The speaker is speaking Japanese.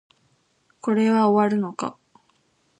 これは終わるのか